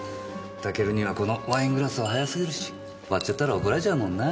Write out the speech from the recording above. タケルにはこのワイングラスは早すぎるし割っちゃったら怒られちゃうもんな？